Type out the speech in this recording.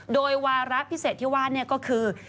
โดยวาระพิเศษที่ว่าก็คือ